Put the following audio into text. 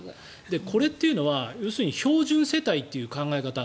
これっていうのは要するに標準世帯という考え方